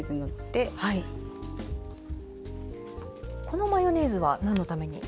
このマヨネーズは何のために？